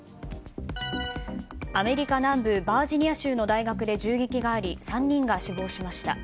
アメリカ南部バージニア州の大学で銃撃があり３人が死亡しました。